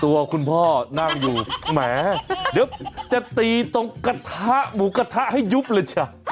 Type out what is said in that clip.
ตัวคุณพ่อนั่งอยู่แหมเดี๋ยวจะตีตรงกระทะหมูกระทะให้ยุบเลยจ้ะ